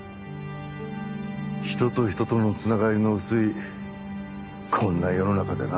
人と人との繋がりの薄いこんな世の中でな。